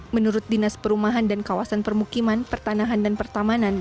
menurut dinas perumahan dan kawasan permukiman pertanahan dan pertamanan